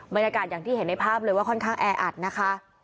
บรรยากาศอย่างที่เห็นในภาพเลยว่าค่อนข้างแออัดนะคะ